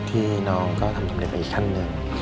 ที่น้องก็ทำสำเร็จไปอีกขั้นหนึ่ง